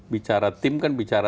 bicara tim kan bicara